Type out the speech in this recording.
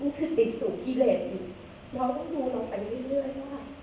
มันคือติดสู่กิเลสมันต้องดูลงไปเรื่อย